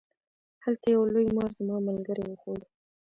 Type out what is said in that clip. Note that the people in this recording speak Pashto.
هلته یو لوی مار زما ملګری و خوړ.